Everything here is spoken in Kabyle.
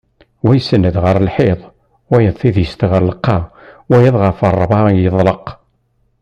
Wa isenned ɣer lḥiḍ wayeḍ tidist deg lqaɛa wayeḍ ɣef rebɛa yeḍleq.